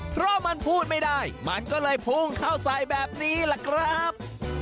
เพราะมันพูดไม่ได้มันก็เลยพุ่งเข้าใส่แบบนี้แหละครับ